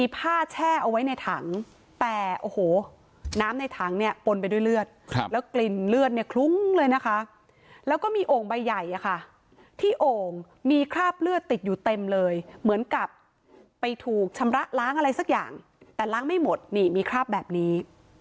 ปนไปด้วยเลือดแล้วกลิ่นเลือดเนี่ยคลุ้งเลยนะคะแล้วก็มีโอ่งใบใหญ่ค่ะที่โอ่งมีคราบเลือดติดอยู่เต็มเลยเหมือนกับไปถูกชำระล้างอะไรสักอย่างแต่ล้างไม่หมดนี่มีคราบแบบนี้